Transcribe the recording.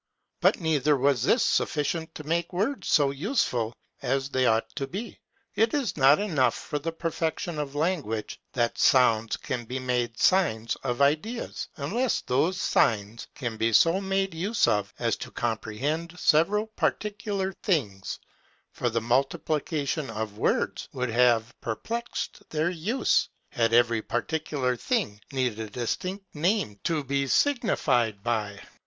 But neither was this sufficient to make words so useful as they ought to be. It is not enough for the perfection of language, that sounds can be made signs of ideas, unless those signs can be so made use of as to comprehend several particular things: for the multiplication of words would have perplexed their use, had every particular thing need of a distinct name to be signified by.